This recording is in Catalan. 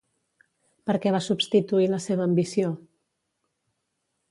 Per què va substituir la seva ambició?